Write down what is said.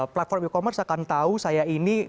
platform e commerce akan tahu saya ini pedagang e commerce